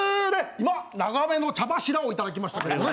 今、長めの茶柱をいただきましたけどね。